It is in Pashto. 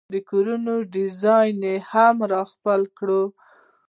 د کورونو ډیزاین یې هم را خپل کړل.